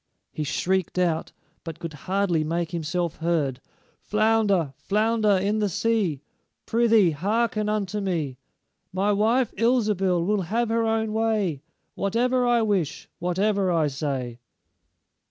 He shrieked out, but could hardly make himself heard: "Flounder, flounder in the sea, Prythee, hearken unto me: My wife, Ilsebil, will have her own way Whatever I wish, whatever I say."